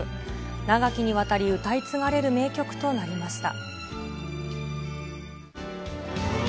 長きにわたり、歌い継がれる名曲となりました。